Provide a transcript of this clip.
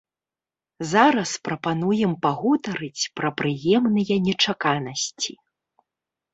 Зараз прапануем пагутарыць пра прыемныя нечаканасці!